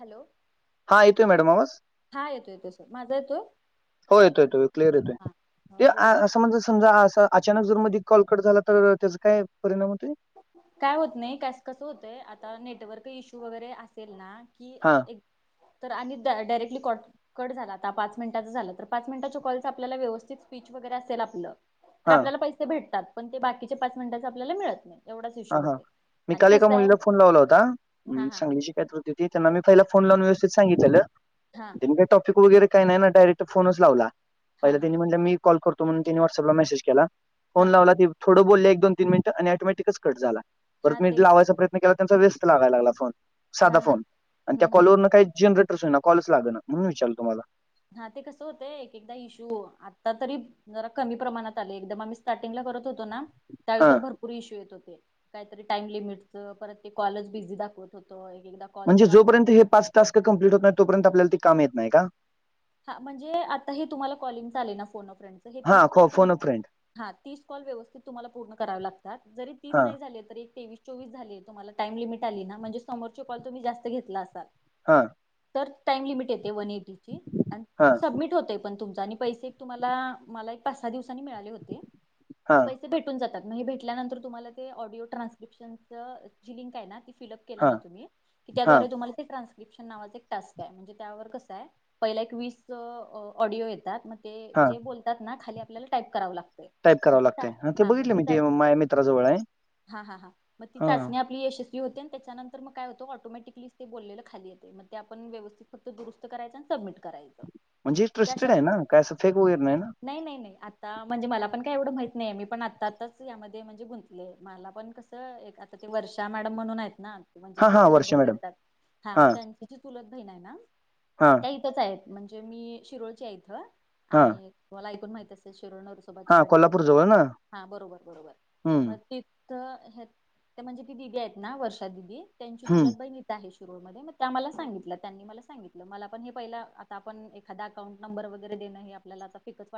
Hello. हा येतोय madam आवाज? हा येतोय येतोय सर, माझा येतोय? हो येतो येतो क्लिअर येतोय, हा हा ते बोला की असं म्हणजे समजा अस अचानक जर मध्ये कॉल कट झाला तर त्याच काय परिणाम होतोय? काय होत नाही, कस कसं होतय आता नेटवर्क इश्यू वगैरे असेल ना कि हा एक तर आणि डायरेक्टली कॉट कट झाला, आता पाच मिनिटाचं झालं तर पाच मिनिटाच्या कॉल आपल्याला व्यवस्थित स्पीच वगैरे असेल आपलं तर हा आपल्याला पैसे भेटतात, पण ते बाकीचे पाच मिनिटांचे आपल्याला मिळत नाही. एवढाच हा इश्यू हा, होतोय मी आणि काल एका कसं आहे मुलीला फोन लावला होता हा हा सांगलीची काय तर होती ती त्यांना मी पहिला फोन लावून व्यवस्थित सांगितलेल, हा ते नी काय टॉपिक वगैरे काही नाही ना डायरेक्ट फोनच लावला, हा पहिला हा त्यांनी म्हटल्या मी कॉल करतो म्हणून त्यांनी व्हॉट्सअपला मेसेज केला हा फोन लावला ती थोडं बोलल्या एक दोन तीन मिनट आणि ऑटोमॅटिकच कट झाला, हा परत मि ते लावायचा प्रयत्न मी केला त्यांचा व्यस्त लागाय लागला फोन, हा साधा हा फोन अणत्या हम्म कॉल हम्म वरण काय जनर प्रश्न येना, कॉलच लागना, म्हणून विचारल तुम्हाला. हां ते कसं होतय एक एकदा इश्यू आता तरी जरा कमी प्रमाणात आलय, एकदम आम्ही स्टार्टिंगला करत होतो ना त्यावेळी तर हा भर पूर इशू येत होते, काहीतरी टाईम लिमिटचं, परत ते कॉलच बिझी दाखवत होत एक येकदा म्हणजे जोपर्यंत हे पाच टास्क कम्प्लीट होत नाही तोपर्यंत आपल्याला ते काम येत नाही का हा म्हणजे आता हे तुम्हाला कॉलिंगच आलय ना फोन अ फ्रेंडच हे हां तिस खो कॉल तुम्ही फोन अ फ्रेंड. हा तीस कॉल व्यवस्थित तुम्हाला पूर्ण करावे लागतात जरी तीस हां, नाही झाले तरी एक तेवीस चोवीस झाले तुम्हाला टाईम लिमिट आली ना म्हणजे समोरचे कॉल तुम्ही जास्त घेतला असाल हा तर टाइम लिमिट येते वन एटी ची अन् हां, सबमिट होतय पण तुमच आणि पैसे एक तुम्हाला मला एक पाच सहा दिवसानी मिळाले होते हां, पै ते भेटून जातात म हे भेटल्यानंतर तुम्हाला ते ऑडिओ ट्रान्स्क्रिप्शनचं जी लिंक आहे ना ती फिलअप केला हां, ना तुम्ही की हां, त्याद्वारे तुम्हाला ते ट्रान्स्क्रिप्शन नावाच एक टास्क आहे म्हणजे त्यावर कसय पहिला एक वीस ऑडिओ येतात म ते हां. जे बोलतात ना खाली आपल्याला टाईप करावं लागतय टाइप म करावं ति लागतंय. चाच हां, ते हा म बघितलं ती मी चाच ते माझ्या मित्राजवळ आहे. हा हा हा म ती हां, चाचणी यशस्वी होते आणि त्याच्यानंतर मग काय होतं ऑटोमॅटिकली ते बोललेल खाली येते मग ते आपन व्यवस्थित फक्त दुरुस्त करायच सबमिट करायचं म्हणजे ट्रस्टेड आहे ना काय असं फेक वगैरे नाही ना नाही नाही नाही आता म्हणजे मला पण काय एवढं माहीत नाही मी पण आता आत्ताच यामध्ये म्हणजे गुंतले मला पण कस एक आता ते वर्षा मॅडम म्हणून आहेत ना म्हणजे हां, सगळ हां, वर्षा हँडल मॅडम. करतात हा म हां, त्यांची जी चुलत बहिण आहे ना हां इथच आहे म्हणजे मी शिरोळची हाय इथ हां, आणि तुम्हाला ऐकून माहिती असेल शिरोळ नरसोबाच्या हां, वाडी जवळ कोल्हापूरजवळ ना? हा बरोबर बरोबर म हं, ती इथ म्हणजे ती दीदी आहेत ना वर्षा दीदी त्यांची हं. चुलत बहीण इथ आहे शिरोळमध्ये म त्या मला सांगितल्या त्यांनी मला सांगितलं मला आपण हे पहिला आता आपण एखादा अकाउंट नंबर वगैरे देणं हे आपल्याला आता फेकच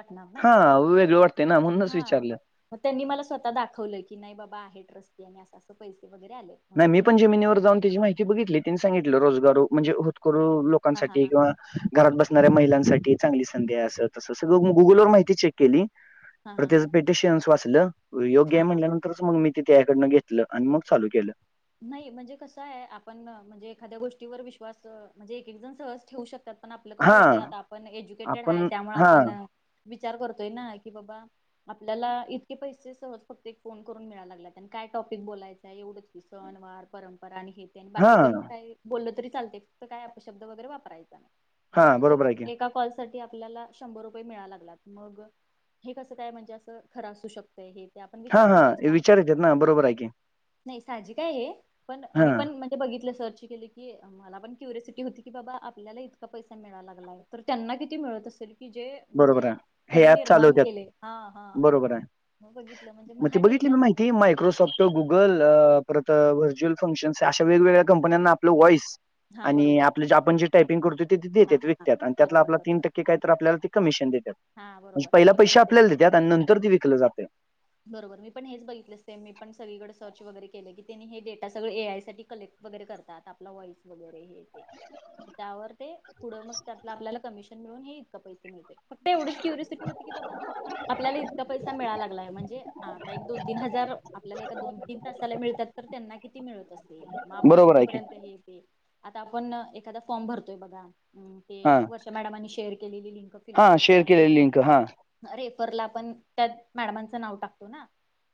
हा वेगळ वाटतय ना म्हणूनच विचारलं म त्यांनी मला स्वतः दाखवलं की नाही बाबा आहे ट्रस्टी आणि असं असं पैसे वगैरे आले नाही मी पण जेमिनीवर जाऊन त्याची माहिती बघितली तिनी सांगितलं रोजगारु म्हणजे होतकरू हा हा लोकांसाठी हा किंवा घरात बसणाऱ्या महिलांसाठी चांगली संधी अस तसं सगळं गुगल वर माहिती चेक केली हा परत हा त्याच हा पेटिशन वाचलं योग्य आहे हा हा म्हणल्या नंतरच मग मी ते त्याकडन घेतलं आणि मग चालू केलं नाही म्हणजे कसं आहे आपण म्हणजे एखाद्या गोष्टीवर विश्वास म्हणजे एक एक जण सहज ठेवू शकत्यात पण आपलं कसं होतंय हां, आता आपण एज्युकेटेड आपण हाय त्यामुळे हां, आपण विचार करतोय ना की बाबा आपल्याला इतके पैसे सहज फक्त एक फोन करून मिळाय लागल्यात आणि काय टॉपिक बोलायचाय एवढंच सण वार परंपरा आणि हे ते आणि बाकी हां, पण काय बोललं तरी चालते फक्त काय अपशब्द वगैरे वापरायचा नाही तर हां, फक्त बरोबर मग आहे की. एका कॉल साठी आपल्याला शंभर रुपये मिळाय लागल्यात मग हे कसं काय म्हणजे अस खर असू शक तय हे ते आपण हा विचार हा करतोय विचार येत्यात ना बरोबर हाय की नाही साहजिक हाय हे पण मी हां, पण म्हणजे बघितलं सर्च केलं की मला पण क्युरिसिटी होती की बाबा आपल्याला इतका पैसा मिळाय लागलाय तर त्यांना किती मिळत असेल की जे बरोबर म्हणजे आहे. हे त्यांनी ॲप निर्माण चालवतात. केले हा हा बरोबर आहे. म बघितलं म्हणजे म हा डेटा ती मायक्रोसॉफ्ट गुगल परत व्हर्च्युअल फंक्शन्स अशा वेगवेगळ्या कंपन्यांना आपलं वॉइस हा आणि बरोबर आपलं जे आपण जे टायपिंग करतोय ते हा देत्यात हा हा विकत्यात आणि त्यातला बरोबर आपला तीन बरोबर टक्के काय तर आपल्याला कमिशन देत्यात हा म्हणजे बरोबर पहिले मी पण पैशे सेम आपल्याला देत्यात आणि नंतर ते विकलं जात बरोबर मी पण हेच बघितले सेम. मी पण सगळीकडे सर्च वगैरे केलं की, तेनी हे डेटा सगळ ए आय साठी कलेक्ट वगैरे करतात, आपला वॉइस वगैरे हे. त्यांवर ते पुढं मग त्यातलं, आपल्याला कमिशन मिळून हे इतक पैसे मिळते. फक्त एवढीच क्यूरेसिकी होती की बाबा, आपल्याला इतका पैसा मिळाय लागलाय म्हणजे. आता एक दोन तीन हजार आपल्याला एका दोन तीन तासाला मिळत्यात तर, त्यांना किती मिळत असतील. मग आपण बरोबर आहे की तिथपर्यंत हे ते, आता आपण एखादा फॉर्म भरतोय बघा. हम, ते हा वर्षा मॅडमांनी शेअर केलेली लिंक फिलअप हा करतोय शेअर आणि केलेली तिथं. लिंक हा रेफरला आपण त्या मॅडमांचं नाव टाकतो ना.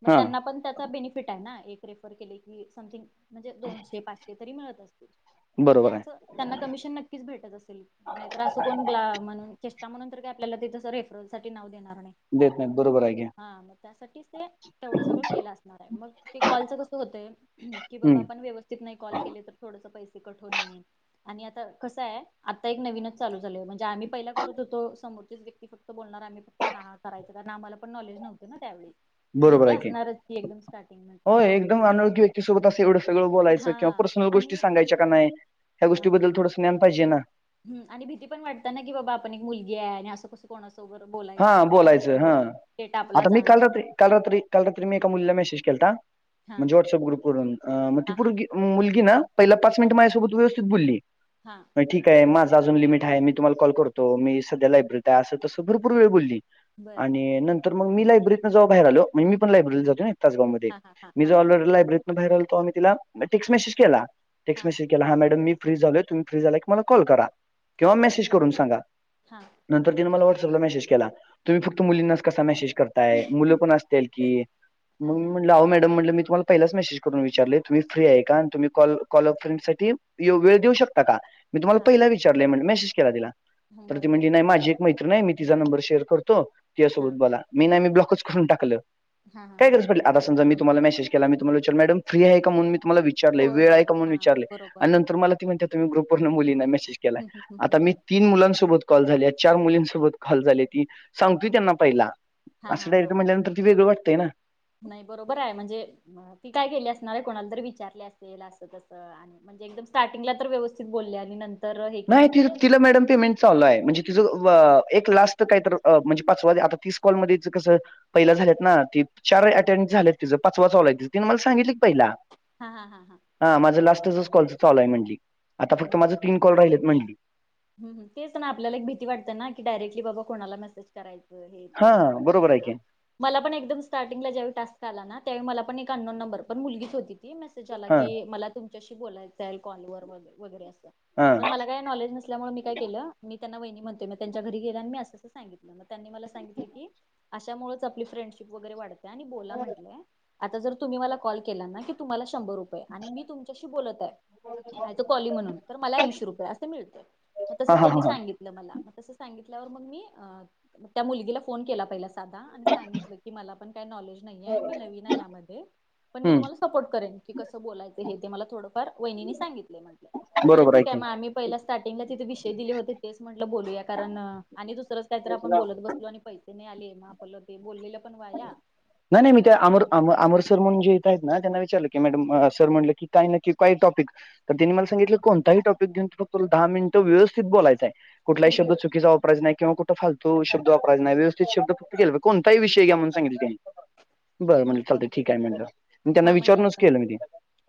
मग हा त्यांना पण त्याच बेनिफि फिट आहे ना. एक रेफर केले की समथिंग म्हणजे, दोनशे पाचशे तरी मिळत असतील. म्हणजे बरोबर आहे असं त्यांना कमिशन नक्कीच भेटत असेल. नाहीतर असं कोण म्हणून चेष्टा म्हणून तर काय, आपल्याला ते तसं रेफरल साठी नाव देणार नाही. देत नाहीत, बरोबर आहे की. हा मग त्यासाठीच ते तेवढ सगळं केल असणार ये, मग ते कॉलच कसं होतंय की बाबा हम्म आपण. व्यवस्थित नाही कॉल केले तर थोडंसं पैसे कट होणे, आणि आता कसं हाय आता एक नविनच. चालू झालंय म्हणजे, आम्ही पहिला करत होतो समोरची व्यक्तीच फक्तं. बोलणार आम्ही फक्त हा हा करायचं. कारण आम्हाला पण नॉलेज नव्हते ना, त्यावेळी भीती असणारच की एकदम. स्टार्टिंगला. होय एकदम अनोळखी व्यक्तीसोबत असं एवढं सगळं बोलायचं, किंवा हा पर्सनल गोष्टी आणि सांगयच्या काय नाय. ह्या गोष्टीबद्दल थोडंसं ज्ञान पाहिजे ना. हं, आणि भीती पण वाटतेना की बाबा, आपण एक मुलगी आहे आणि असं कसं. कोणासोबर हा बोलायचं आणि, बोलायचं पर्सनल हा डेटा आपला आता मी काल जाणार. रात्री काल रात्री काल रात्री मी एका मुलीला मेसेज केलता, हा म्हणजे व्हॉट्सअप ग्रुप वरुन मग ति हा हा पोरगी. मुलगी ना, पहिला पाच मिनिटं माझ्या सोबत व्यवस्थित बोली. हां. ठीक आहे माझ अजून लिमिट आहे. मी तुम्हाला कॉल करतो मी संध्या लायब्ररीत आहे, असं तसं भरपूर वेळ बोली. बर आणि नंतर मग मी लायब्ररीतन जेव्हा बाहेर आलो, म्हणजे मी पण लायब्ररीला जातोय नी. तासगाव मध्ये, हा हा हा मी हा जेव्हा हा लायब्ररीतन बाहेर आलो तेव्हा मी तिला टेक्स मेसेज केला टेक्स मेसेज. की हा मॅडम मी फ्री झालोय तुम्ही फ्री झाला की, मला कॉल करा हा किंवा मेसेज करून सांगा. हा नंतर तीन मला व्हॉट्सपला मेसेज केला, तुम्ही फक्त मुलींना कसा मेसेज कर ताय मुलं पण असत्याल की, हा मग मी हा म्हटलं आहो मॅडम म्हटलं मी तुम्हांला. पहिलाच मेसेज करून विचारले, तुम्ही फ्री आहे का तुम्ही कॉल अ फ्रेंडसाठी वेळ देऊ शकता का. मी हा तुम्हांला हा पहिला विचारलंय म्हणलं मेसेज केला, तिला हं, तर ती बरोबर म्हणली नाही माझी एक मैत्रीण आहे. तिचा नंबर शेअर करतो तिझ्या हा सोबत बोला, मी नाही मी ब्लॉकच करून टाकलं हा हा काय हा गरज हा पडल्या. आता समजा मी तुम्हाला मेसेज केला. मी तुम्हांला विचार मॅडम फ्री आहे का, म्हणून मी तुम्हाला विचा विचारले होय वेळ आहे होय का म्हणून हा विचारले, बरोबर आणि नंतर मला. ती म्हणत्या तुम्ही ग्रुपवरण मुलींना मेसेज केलाय. हं, हं, हं, हं, आता हं. मी तीन मुलांसोबत कॉल झालेत चार मुलीन सोबत. कॉल झाल्या ती सांगतोय हा हा त्यांना पहिला, हा असं हा डायरेक्ट हा म्हटल्यानंतर ते वेगळं वाटतंय ना. नाही बरोबर आहे. म्हणजे ती काय केेली असणार, कोणाला तरी विचारली असेल असं तसं आणि. म्हणजे एकदम स्टार्टिंगला तर व्यवस्थित बोल्या. आणि नं नाही तिला मॅडम पेमेंट. चालु हाय. म्हणजे तिझं एक लास्ट काय तर म्हणजे, पाचमध्ये आता तीस कॉल मध्ये हिचं कसं. पहिला झालेत ना ती चार अटेंट झालेत तिचं, पाचवा चालूय तिने मला सांगितली की पहिला. हा हा हा हा. हा माझं लास्टच कॉल चालू आहे म्हणली, आता फक्त माझं तीन कॉल राहिलेत म्हणली. हम हम, तेच ना आपल्याला एक भीती वाटते ना, की डायरेक्टली बाबा कोणाला मेसेज. करायचं हे ते, हां, बरोबर आहे की. आप मला पण एकदम स्टार्टिंगला ज्यावेळी टास्क आला ना, त्यावेळी मला पण एक अ्नोन नंबर, पण मुलगीच होती ते मेसेज आला हां, की, मला तुमच्याशी बोलायच कॉल वर वगैरे असं, हां. पण मला काय नॉलेज नसल्यामुळं मी काय केलं, मी त्यांना वहिनी म्हणतोय, त्यांच्या घरी गेलं आणि मी असं असं सांगितलं. त्यांनी मला सांगितलं की, अशामुळेच आपली फ्रेंडशिप वगैरे वाढते. त्यांनी बोला म्हटले, आता जर तुम्ही मला कॉल केला ना की तुम्हाला शंभर रुपय आणि मी तुमच्याशी बोलत आहे, अज अ कॉली म्हणून, तर मला ऐंशी रुपय असं मिळतय. मग तसं हां, हां, हां, त्यांनी हां. सांगितलं मला, मग तस सांगितल्यावर मग मी, अ मग त्या मुलगीला फोन केला पहिला साधा, आणि सांगितलं की मला पण काय नॉलेज नाहीयेय, मी नवीन आहे यामध्ये, पण मी हं, तुम्हाला सपोर्ट करेन, कि कसं बोलाय हे ते मला थोडंफार, वहिनीने सांगितलय म्हटले, तर बरोबर आहे ठिकय की. म आम्ही पयला स्टार्ट टींगला तिथं विषय दिले होते तेच म्हटलं बोलूया, कारण आणि दुसरंच काय तर आपण बोलत बसलो आणि पै से नाही आले म आपलं ते बोललेलं पण वाया नाही नाही मी ते अमरम अमर सर म्हणून जे इथ आहेत ना, त्यांना विचारलं की मॅडम सर म्हटलं की काय नक्की काय टॉपिक तर त्यांनी मला सांगितलं, कोणताही टॉपिक घेऊन दहा मिनिटं व्यवस्थित बोलायचय. कुठलाही हम्म शब्द हम्म चुकीचा वापरायचा नाही किंवा फालतू शब्द वापरायचं नाही, व्यवस्थित कोणताही विषय घ्या म्हणुन सांगितलं त्यांनी. बरं हम्म म्हंटलं चालतय बरोबर. ठीक आहे म्हटलं, म त्यांना हा म्हणजे विचारूनच आपण केलं मी ते.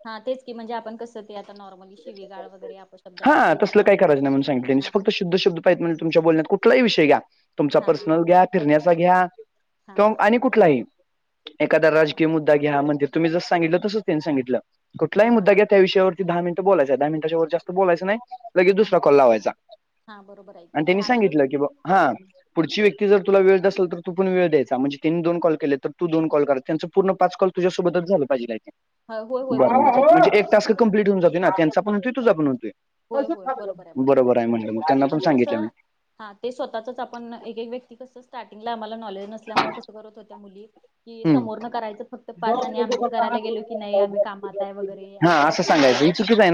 हा तेच की, म्हणजे आपण कसं ते आता नॉर्मली शिवीगाळ वगैरे आप शब्द हां, काहीतरी तसलं काही करायचं वापरणार. नाही म्हणून सांगितलं, हा फक्त शुद्ध शब्द म्हणले तुमच्या बोलण्यात कुठलाही विषय घ्या तुमचा हा हा हा पर्सनल घ्या फिरण्याचा घ्या हा तो हा आणि कुठलाही. एखादा राजकीय मुद्दा घ्या, म्हणजे तुम्ही जसं सांगितलं तसं त्यांनी सांगितलं, कुठलाही हा हा मुद्दा हा घ्या त्या विषयावर फक्त दहा मिनिटं बोलायचंय, दहा मिनिटाच्या वर जास्त बोलायचं नाही. लगे हा दुसरा कॉल लावायचा, हा बरोबर आहे आणि की त्यांनी दहा सांगितलं मिनिट की बा, हा. पुढची व्यक्ती जर तुला वेळ देत असल तर तू पण वेळ द्यायचा, म्हणजे त्यांनी दोन कॉल केलेत तर तू दोन कॉल कर, त्यांच पूर्ण पाच कॉल तुझ्यासोबतच झालं पाहिजे. होय होय होय आहे बरोबर, म्हणजे एक टास्क कसं कम्प्लीट होऊन जातोय ना, त्यांचा पण होतोय तुझा पण होतोय. होय होय बरोबर आहे बरोबर आहे म्हणलं, मग त्यांना पण सांगितलं मी. हां, ते स्वतःच आपण एक एक व्यक्ती कसं स्टार्टिंगला आम्हाला नॉलेज नस असल्यामुळं कसं करत होत्या मुली,, की हम्म. समोर नं करायचं फक्त पाच आणि आमचं करायला गेलो की की नाही आम्ही कामात आहे वगैरे हा असं अस सांगणार सांगायचं ही ना,, चुकीच आहे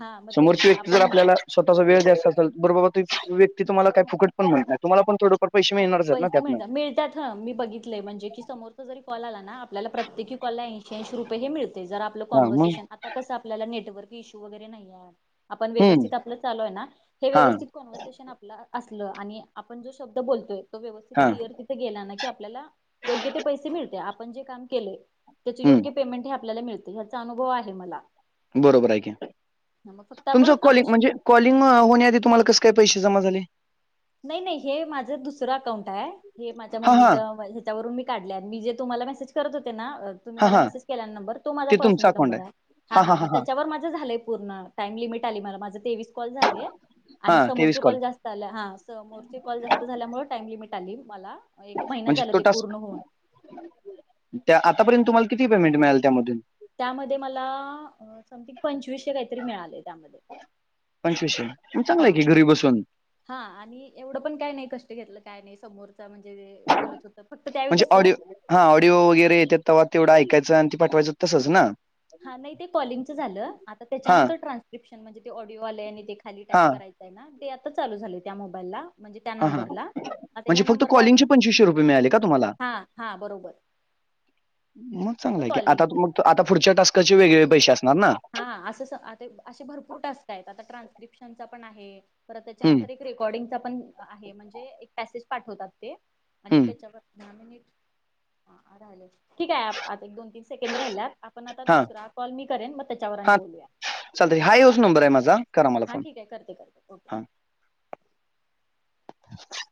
हां मग तेच समोरची की, आ व्यक्ती जर आपल्याला स्वतःचा वेळ द्यायचा असल, बरं बाबा ती व्यक्ती काय तुम्हाला फुकट पण म्हणत नाही, तुम्हाला पण थोडं पैसे मिळणारच आहेत ना त्यातंन.. हं मी बघितय म्हणजे की समोरचा जरी कॉल आला ना, आपल्याला प्रत्येकी कॉलला ऐंशी ऐंशी रुपये हे मिळतय, जर आप आपलं हा मग कॉन्व्हर्सेशन, आता कसं आपल्याला नेटवर्क इश्यू वगैरे नाहीयेय आपण हम्म व्यवस्थित आपलं चालू आहे ना, हे हा व्यवस्थित कॉन्व्हसेशन आपलं असलं, आणि आपण जो शब्द बोलतोय, तो व्यवस्थित हा क्लिअर तिथं गेला ना की आपल्याला, योग्य ते पैसे मिळतय, आपण जे काम केलय त्याचे योग्य हम्म पेमेंट हे आपल्याला मिळतेय, ह्याचा अनुभव आहे मला. बरोबर हाय की,, मग फक्त तुमचं आपण कॉलिंग म्हणजे कॉलिंग होण्याआधी तुम्हाला कसं काय पैसे जमा झालय.. नाही नाही, हे माझं दुसरं अकाउंट आहे, हे माझ्या हा हा मम्मीचं त्यावरून मी काढलेय, आणि मी जे तुम्हाला मेसेज करत होते ना, तुम्ही हा मला हा मेसेज केला ना नंबर, तो माझा पर्सनल नंबर आहे. हा हा, मग त्याच्यावर माझं झालंय, पूर्ण टाइम लिमिट आली मला, माझं तेवीस कॉल झालेय. हा आणि तेवीस समोरचे कॉल जास्त आले हा समोरचे कॉल जास्त झाल्यामुळे टाइम लिमिट आली मला एक महिना म्हणजे झाला तो ते टास्क, पूर्ण होऊन त्या आतापर्यंत तुम्हाला किती पेमेंट मिळाले त्यामधून? त्यामध्ये मला समथिंग पंचवीसशे काहीतरी मिळाले त्यामध्ये. पंचवीशे, म चांगला आहे हा की घरी बसून. हा आणि एवढं पण काय नाही कष्ट घेतलं काय नाही समोरचा म्हणजे बोलत होत फक्त त्यावेळी म्हणजे कसं ऑडिओ हा ऑडिओ वगैरे येत्यात तेवा तेवढं ऐकायचं आणि ते पाठवायचं तसंच ना? हा नाही ते कॉलिंगचं झालं, आता हा त्याच्यानंतर ट्रान्स्क्रिप्शन म्हणजे ते ऑडिओ आलय आणि ते खाली टाईप हा कराय. य ना ते चालू झालय त्या मोबाईलला म्हणजे त्या हा हा नंबरला आता म्हणजे या फक्त नंबरला कॉलिंगचे असं, रुपये मिळाले का तुम्हाला? हा हा बरोबर. मग फक्त चांगला आहे की, आता कॉलिंगचे मग आता पुढच्या टास्काचे वेगळे पैसे असणार ना? हा अस असे भरपूर टास्क आहेत, आता ट्रान्स्क्रिप्शनचा पण आहे, परत त्याच्या हं, नंतर एक रेकॉर्डिंगचा पण आहे, म्हणजे एक पॅसेज पाठवतात ते आणि हं. त्याच्यावर नामिनेट ठीक हाय, आता एक दोन तीन सेकंड राहिल्यात आपण आता हां, दुसरा कॉल मी करेन, मग त्याच्यावर आणि बोलूया. चालतय, हा ह्योच नंबर आहे माझा करा मला हा फोन, ठीक आहे करते करते ओके हा. [inaudible]